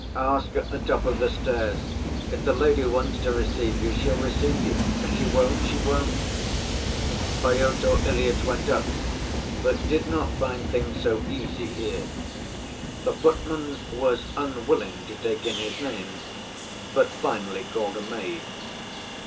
"Ask at the top of the stairs. If the lady wants to receive you, she'll receive you. If she won't, she won't." Pyotr Ilyitch went up, but did not find things so easy here. The footman was unwilling to take in his name, but finally called a maid.